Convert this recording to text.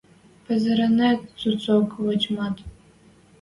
Пӹзӹренӹт цуцок Ватюмат.